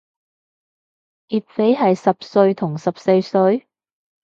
劫匪係十歲同十四歲？